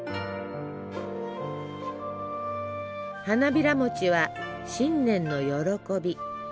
花びらもちは新年の喜び。